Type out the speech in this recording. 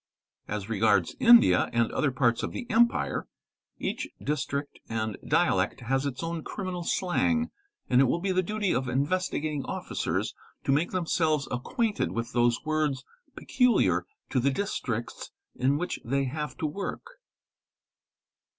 As regards India and — other parts of the Empire each 'district and dialect has its. own criminal slang and it will be the duty of Investigating Officers to make them . selves acquainted with those words peculiar to the districts in which they have to work.